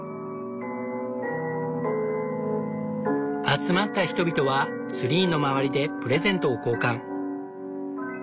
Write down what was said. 集まった人々はツリーの周りでプレゼントを交換。